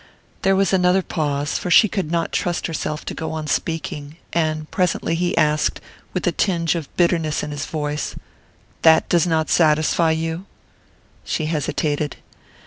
There was another pause, for she could not trust herself to go on speaking; and presently he asked, with a tinge of bitterness in his voice: "That does not satisfy you?" She hesitated.